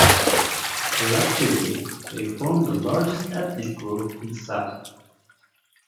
Collectively, they form the largest ethnic group in Sabah.